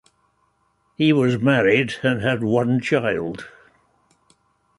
He was married and had one child.